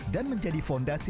dan menjadi founder perusahaan